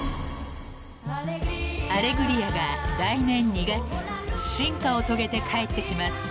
［『アレグリア』が来年２月進化を遂げて帰ってきます］